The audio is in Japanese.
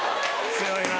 強いな。